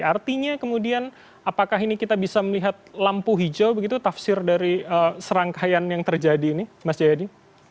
artinya kemudian apakah ini kita bisa melihat lampu hijau begitu tafsir dari serangkaian yang terjadi ini mas jayadi